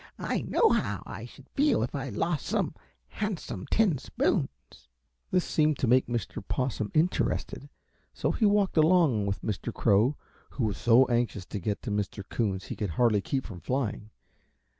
I know how I should feel if I lost some handsome tin spoons." This seemed to make Mr. Possum interested, so he walked along with Mr. Crow, who was so anxious to get to Mr. Coon's he could hardly keep from flying.